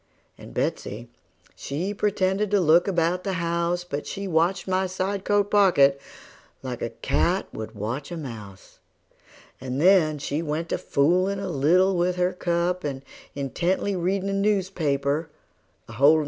And Betsey, she pretended to look about the house, But she watched my side coat pocket like a cat would watch a mouse: And then she went to foolin' a little with her cup, And intently readin' a newspaper, a holdin' it wrong side up.